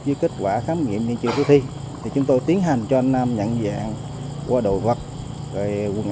với kết quả khám nghiệm như chưa có thi thì chúng tôi tiến hành cho nam nhận dạng của đồ vật rồi quần